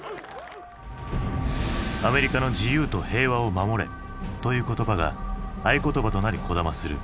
アメリカの自由と平和を守れという言葉が合言葉となりこだまする。